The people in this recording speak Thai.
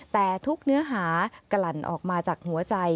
แต่ทุกเนื้อหากลั่นออกมาจากหัวใจ